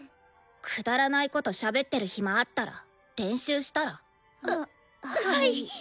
くだらないことしゃべってる暇あったら練習したら？ははい。